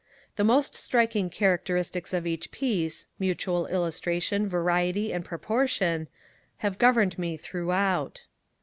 The most striking characteristics of each piece, mutual illustration, variety, and proportion, have governed me throughout.